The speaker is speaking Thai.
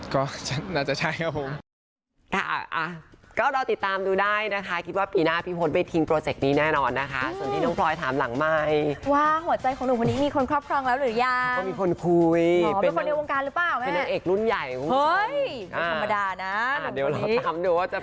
ก็น่าจะใช่ครับผม